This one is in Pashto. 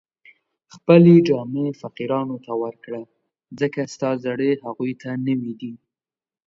خپلې جامې فقیرانو ته ورکړه، ځکه ستا زړې هغو ته نوې دي